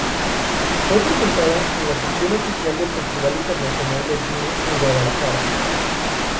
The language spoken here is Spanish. Fue presentada en la sección oficial del Festival Internacional de Cine en Guadalajara.